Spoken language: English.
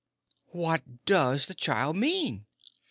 "What does the child mean?"